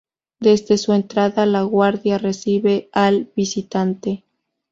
Desde su entrada la guardia recibe al visitante.